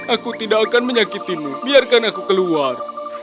aku tidak akan menyakitimu biarkan aku keluar